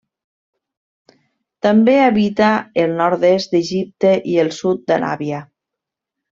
També habita el nord-est d'Egipte i el sud d'Aràbia.